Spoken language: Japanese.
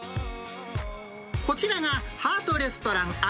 こちらがハートレストラン安